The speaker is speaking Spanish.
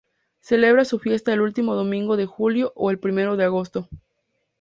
Celebra su fiesta el último domingo de julio o el primero de agosto.